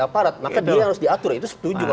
aparat maka dia harus diatur itu setuju kalau